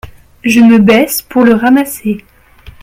Je me baisse pour le ramasser.